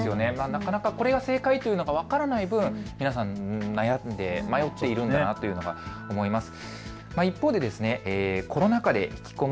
なかなかこれが正解と分からない分、皆さん悩んで迷っているのかなと思います。